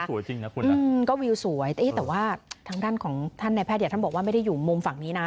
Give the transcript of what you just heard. สวยจริงนะคุณนะก็วิวสวยแต่ว่าทางด้านของท่านในแพทย์เนี่ยท่านบอกว่าไม่ได้อยู่มุมฝั่งนี้นะ